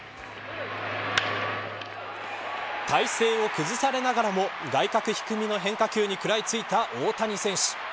体勢を崩されながらも外角低めの変化球に食らいついた大谷選手。